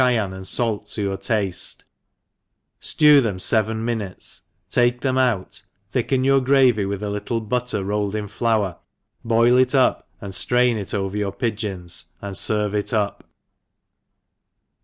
131 Chyan and fait to you tafle, flew them feven minutes^ take them out^ thicken your gravy with a little butter rolled in flour, boil it up and flrain it over your pigeons, and ferve them up.